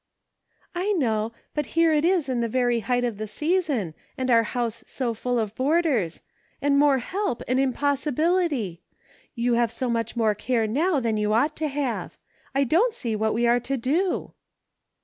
" I know, but here it is in the very height of the season, and our house so full of boarders ; and more help an impossibility ! You have so much more care now than you ought to have. I don't see what we are to do."